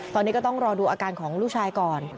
ตอนนี้ก็ต้องรอดูอาการของลูกชายก่อน